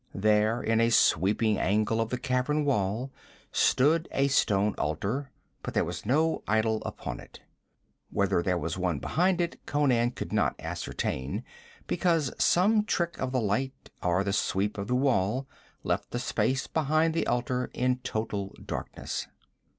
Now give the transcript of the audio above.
There in a sweeping angle of the cavern wall stood a stone altar, but there was no idol upon it. Whether there was one behind it, Conan could not ascertain, because some trick of the light, or the sweep of the wall, left the space behind the altar in total darkness.